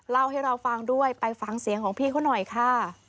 เล่าให้เราฟังด้วยไปฟังเสียงของพี่เขาหน่อยค่ะ